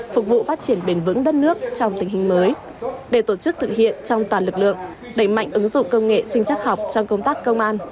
phục vụ phát triển bền vững đất nước trong tình hình mới để tổ chức thực hiện trong toàn lực lượng đẩy mạnh ứng dụng công nghệ sinh chắc học trong công tác công an